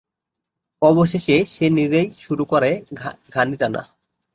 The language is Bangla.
অবশেষে সে নিজেই শুরু করে ঘানি টানা।